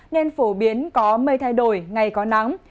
nên phổ biến có mây thay đổi ngày có nắng